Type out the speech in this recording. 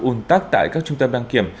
ún tắc tại các trung tâm đăng kiểm